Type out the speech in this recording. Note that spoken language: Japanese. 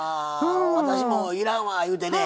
私も、いらんわ言うてね